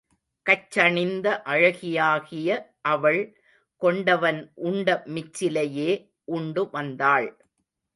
கச்சணிந்த அழகியாகிய அவள் கொண்டவன் உண்ட மிச்சிலையே உண்டு வந்தாள்.